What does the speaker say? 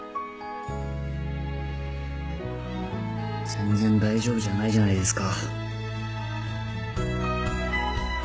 全然大丈夫じゃないじゃないですか。